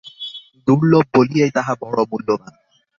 দুর্লভ বলিয়াই তাহা বড় মূল্যবান।